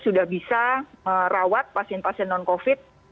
sudah bisa merawat pasien pasien non covid